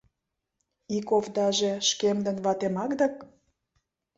Ик овдаже шкемын ватемак дык...